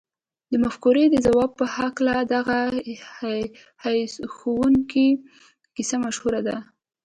د مفکورې د ځواک په هکله دغه هيښوونکې کيسه مشهوره ده.